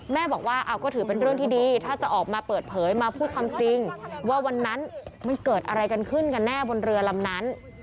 แม่บอกว่าก็ถือเป็นเรื่องที่ดีถ้าจะออกมาเปิดเผยมาพูดความจริงว่าวันนั้นมันเกิดอะไรกันขึ้นกันแน่บนเรือลำนั้น